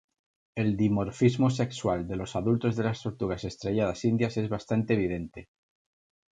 El dimorfismo sexual de los adultos de las tortugas estrelladas indias es bastante evidente.